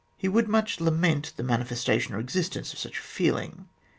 He would much lament the manifestation or existence of such a feeling.